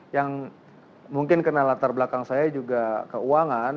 yang mungkin kena latar belakang saya juga keuangan